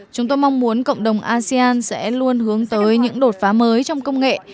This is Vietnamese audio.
chúng tôi mong muốn cộng đồng asean sẽ luôn hướng tới những đột phá mới trong công nghệ